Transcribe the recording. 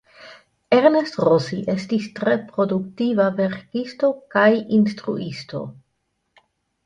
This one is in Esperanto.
Ernest Rossi estis tre produktiva verkisto kaj instruisto.